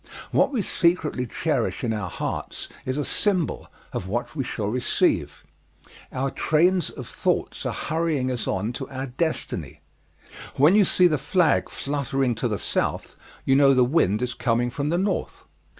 What we secretly cherish in our hearts is a symbol of what we shall receive. Our trains of thoughts are hurrying us on to our destiny. When you see the flag fluttering to the South, you know the wind is coming from the North.